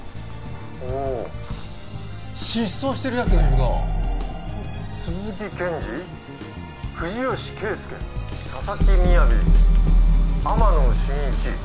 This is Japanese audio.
おお失踪してるやつがいるな鈴木健二藤吉圭佑佐々木雅天野真一